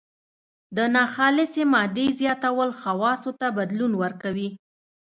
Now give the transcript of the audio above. د ناخالصې مادې زیاتول خواصو ته بدلون ورکوي.